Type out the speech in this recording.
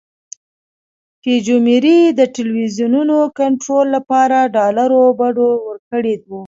فوجیموري د ټلویزیونونو کنټرول لپاره ډالرو بډو ورکړي وو.